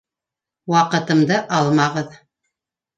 — Ваҡытымды алмағыҙ.